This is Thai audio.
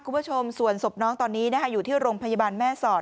คุณผู้ชมส่วนศพน้องตอนนี้นะคะอยู่ที่โรงพยาบาลแม่สอด